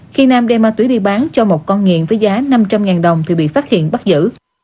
khi nam đem ma túy đi bán cho một con nghiện với giá năm trăm linh đồng thì bị phát hiện bắt giữ